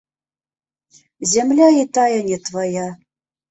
Зямля і тая не твая.